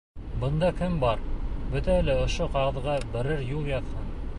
Бында кем бар, бөтәһе лә ошо ҡағыҙға берәр юл яҙһын.